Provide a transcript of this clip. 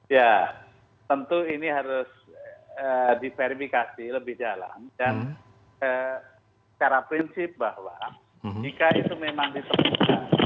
ya tentu ini harus diverifikasi lebih jalan dan secara prinsip bahwa jika itu memang ditemukan